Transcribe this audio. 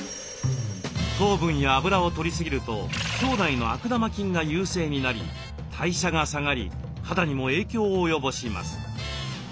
糖分や油をとり過ぎると腸内の悪玉菌が優勢になり代謝が下がり肌にも影響を及ぼします。